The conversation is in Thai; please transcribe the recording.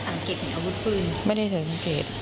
แสดงว่าไม่ได้สังเกตถึงอาวุธพื้นไม่ได้สังเกต